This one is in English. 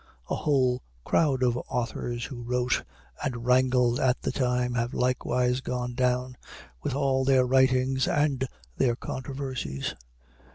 A whole crowd of authors who wrote and wrangled at the time, have likewise gone down, with all their writings and their controversies.